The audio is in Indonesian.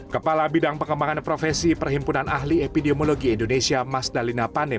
kepala bidang pengembangan profesi perhimpunan ahli epidemiologi indonesia mas dalina pane